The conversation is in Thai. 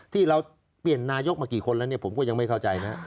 ที่เราเปลี่ยนนายกมากี่คนแล้วเนี่ยผมก็ยังไม่เข้าใจนะ